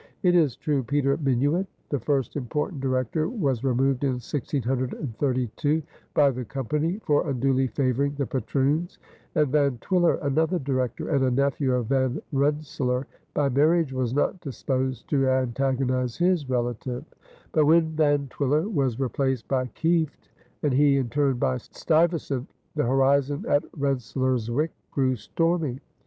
It is true, Peter Minuit, the first important Director, was removed in 1632 by the Company for unduly favoring the patroons, and Van Twiller, another Director and a nephew of Van Rensselaer by marriage, was not disposed to antagonize his relative; but when Van Twiller was replaced by Kieft, and he in turn by Stuyvesant, the horizon at Rensselaerswyck grew stormy.